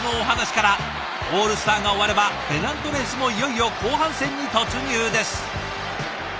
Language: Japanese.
オールスターが終わればペナントレースもいよいよ後半戦に突入です。